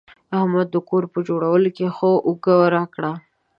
احمد د کور په جوړولو کې ښه اوږه راکړه.